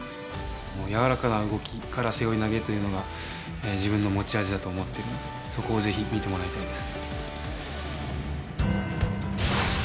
柔らかな動きから背負い投げというのが自分の持ち味だと思っているのでそこを是非見てもらいたいです。